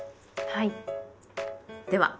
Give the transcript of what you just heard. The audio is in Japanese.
はい。